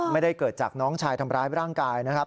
ไม่ได้เกิดจากน้องชายทำร้ายร่างกายนะครับ